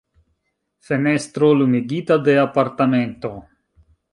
Fenestro lumigita de apartamento.